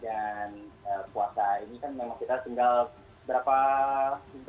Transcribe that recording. dan puasa ini kan memang kita tinggal berapa hari lagi ya